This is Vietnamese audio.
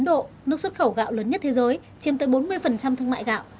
trong ấn độ nước xuất khẩu gạo lớn nhất thế giới chiêm tới bốn mươi thương mại gạo